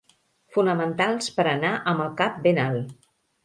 Fonamentals per anar amb el cap ben alt.